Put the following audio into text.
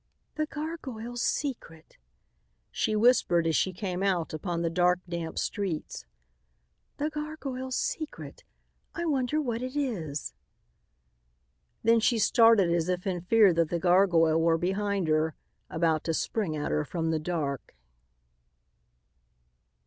"The gargoyle's secret," she whispered as she came out upon the dark, damp streets. "The gargoyle's secret. I wonder what it is!" Then she started as if in fear that the gargoyle were behind her, about to spring at her from the dark.